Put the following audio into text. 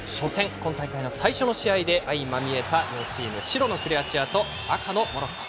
今大会の最初の試合で相まみえた両チーム白のクロアチアと赤のモロッコ。